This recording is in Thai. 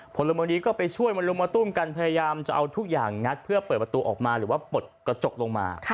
พลเมืองดีก็ไปช่วยมาลุมมาตุ้มกันพยายามจะเอาทุกอย่างงัดเพื่อเปิดประตูออกมาหรือว่าปลดกระจกลงมา